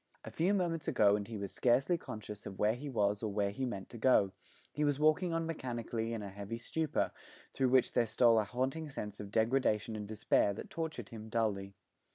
A few moments ago and he was scarcely conscious of where he was or where he meant to go: he was walking on mechanically in a heavy stupor, through which there stole a haunting sense of degradation and despair that tortured him dully.